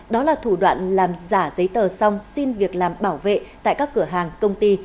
đó là thủ đoạn làm giả giấy tờ xong xin việc làm bảo vệ tại các cửa hàng công ty